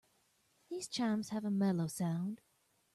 These chimes have a mellow sound.